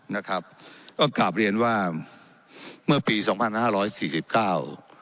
นะครับก็กลับเรียนว่าเมื่อปีสองพันห้าร้อยสี่สิบเก้า